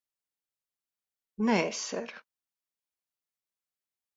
Nē, ser.